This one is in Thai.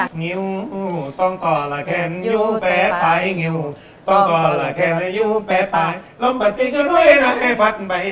ต้องอยู่ต้องต่อละแคนอยู่แป๊บไปอยู่ต้องอยู่ต้องต่อละแคนอยู่แป๊บไปล้มปะสิกกันไว้หนังให้ฟัดไป